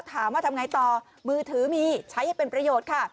ถามว่าทำไงต่อมือถือมีใช้ให้เป็นประโยชน์